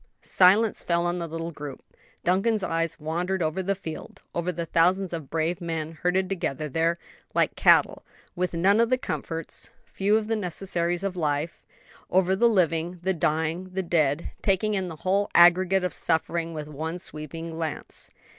'" Silence fell on the little group. Duncan's eyes wandered over the field, over the thousands of brave men herded together there like cattle, with none of the comforts, few of the necessaries of life over the living, the dying, the dead; taking in the whole aggregate of suffering with one sweeping glance.